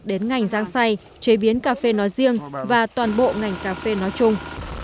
đến ngành rang xay chế biến cà phê nói riêng và toàn bộ ngành cà phê nói chung